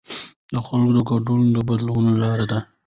د خلکو ګډون د بدلون لاره ده